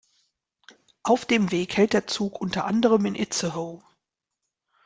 Auf dem Weg hält der Zug unter anderem in Itzehoe.